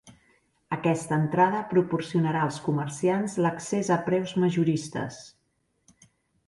Aquesta entrada proporcionarà als comerciants l'accés a preus majoristes.